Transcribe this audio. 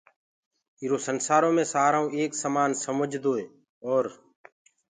ايرو سنسآرو مي سآرآئو ايڪ سمآن سمجدوئي اور